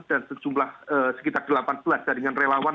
dan sejumlah sekitar delapan belas jaringan relawan